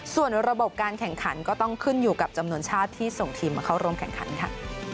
ส่วนระบบการแข่งขันก็ต้องขึ้นอยู่กับจำนวนชาติที่ส่งทีมมาเข้าร่วมแข่งขันค่ะ